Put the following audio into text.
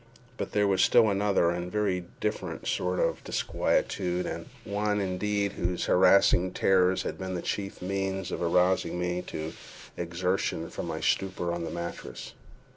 But there was still another and very different source of disquietude, and one, indeed, whose harassing terrors had been the chief means of arousing me to exertion from my stupor on the mattress.